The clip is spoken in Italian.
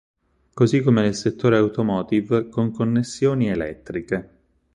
Così come nel settore automotive con connessioni elettriche.